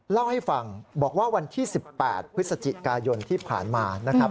เล่าให้ฟังบอกว่าวันที่๑๘พฤศจิกายนที่ผ่านมานะครับ